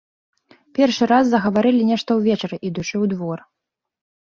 Першы раз загаварылі нешта ўвечары, ідучы ў двор.